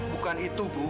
bukan itu bu bukan